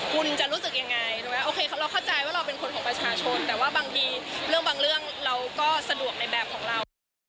คุณจะรู้สึกยังไงเราเข้าใจว่าเราเป็นคนของประชาชนแต่ว่าบางทีเรื่องเราก็สะดวกในแบบของเรา